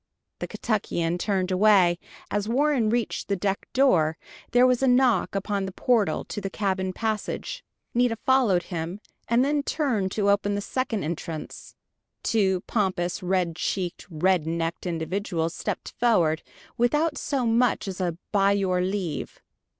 The Kentuckian turned away. As Warren reached the deck door there was a knock upon the portal to the cabin passage. Nita followed him, and then turned to open the second entrance. Two pompous, red cheeked, red necked individuals stepped forward, without so much as a "by your leave!"